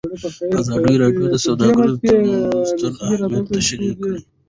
ازادي راډیو د سوداګریز تړونونه ستر اهميت تشریح کړی.